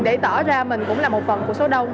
để tỏ ra mình cũng là một phần của số đông